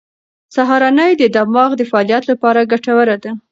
سهارنۍ د دماغ د فعالیت لپاره ګټوره ده.